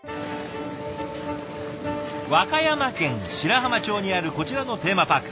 和歌山県白浜町にあるこちらのテーマパーク。